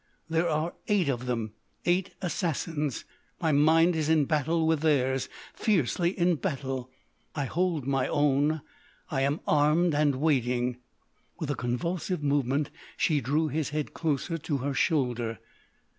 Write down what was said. There are eight of them—eight Assassins! My mind is in battle with theirs—fiercely in battle.... I hold my own! I am armed and waiting!" With a convulsive movement she drew his head closer to her shoulder.